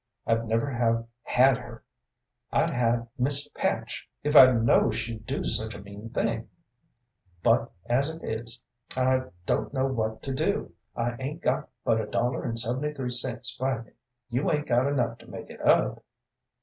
I'd never have had her; I'd had Miss Patch, if I'd know she'd do such a mean thing, but, as it is, I don't know what to do. I 'ain't got but a dollar and seventy three cents by me. You 'ain't got enough to make it up?"